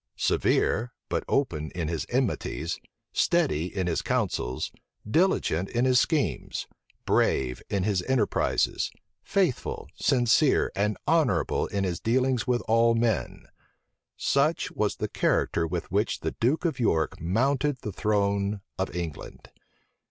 Severe, but open in his enmities, steady in his counsels, diligent in his schemes, brave in his enterprises, faithful, sincere, and honorable in his dealings with all men; such was the character with which the duke of York mounted the throne of England.